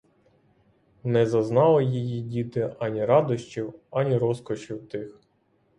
Не зазнали її діти ані радощів, ані розкошів тих.